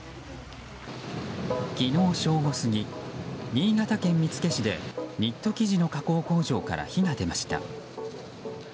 昨日正午過ぎ、新潟県見附市でニット生地の加工工場から火が出ました。